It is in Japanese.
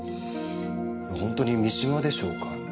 本当に三島でしょうか？